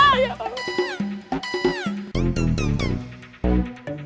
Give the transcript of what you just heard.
kamu kenapa met